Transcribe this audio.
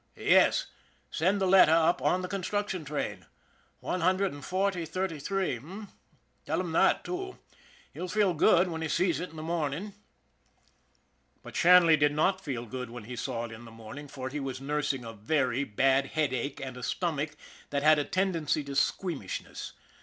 Yes, send the letter up on the construction train. One hundred and forty, thirty three, h'm? Tell him that, too. He'll feel good when he sees it in the morning." But Shanley did not feel good when he saw it in the morning, for he was nursing a very bad headache and a stomach that had a tendency to squeamishness.